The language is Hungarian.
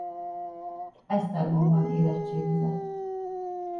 Esztergomban érettségizett.